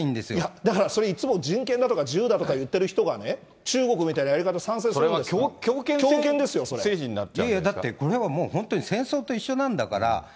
だからそれ、人権だとか、自由だとか言ってる人がね、中国みたいなやり方を賛成するんですだって、これはもう本当に戦争と一緒なんだから。